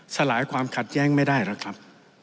สลายความขัดแย้งไม่ได้หรอกครับ